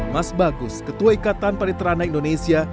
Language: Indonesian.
mas bagus ketua ikatan pariterana indonesia